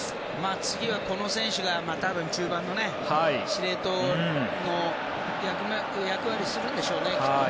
次は、この選手が多分、中盤の司令塔の役割をするんでしょうねきっと。